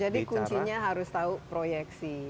jadi kuncinya harus tahu proyeksi